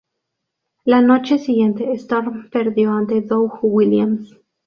La noche siguiente, Storm perdió ante Doug Williams.